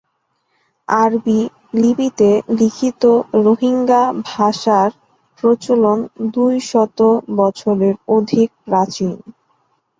আরবী লিপিতে লিখিত রোহিঙ্গা ভাষার প্রচলন দুইশত বছরের অধিক প্রাচীন।